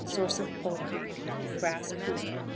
Source of Pole Creek. Grass poor.